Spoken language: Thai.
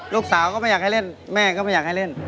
ก็ไม่อยากให้เล่นแม่ก็ไม่อยากให้เล่น